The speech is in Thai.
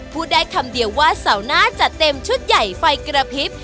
พูดได้คำเดียวว่าเสาร์หน้าจัดเต็มชุดใหญ่ไฟกระพริบ